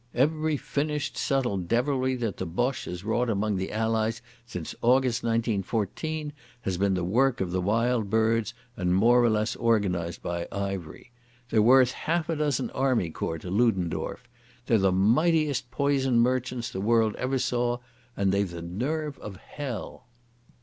Every finished subtle devilry that the Boche has wrought among the Allies since August 1914 has been the work of the Wild Birds and more or less organised by Ivery. They're worth half a dozen army corps to Ludendorff. They're the mightiest poison merchants the world ever saw, and they've the nerve of hell...."